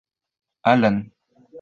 Alan